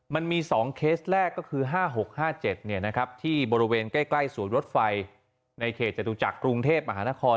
มันมี๒เคสแรกก็คือ๕๖๕๗ที่บริเวณใกล้ศูนย์รถไฟในเขตจตุจักรกรุงเทพมหานคร